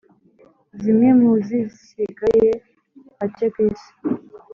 zimwe Muzi sigaye hake ku isi.